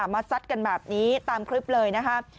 ซัดกันแบบนี้ตามคลิปเลยนะครับ